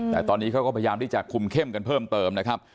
แต่ตอนนี้เขาก็พยายามที่จะคุมเข้มกันเพิ่มเติมนะครับ